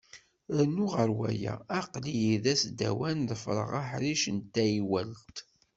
Rnu ɣer waya, aql-iyi d asdawan, ḍefreɣ aḥric n taywalt.